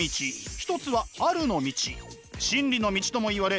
一つはあるの道真理の道ともいわれ